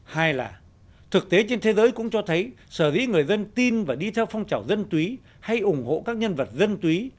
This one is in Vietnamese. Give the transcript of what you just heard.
hai là thực tế trên thế giới cũng cho thấy sở dĩ người dân tin và đi theo phong trào dân túy hay ủng hộ các nhân vật dân túy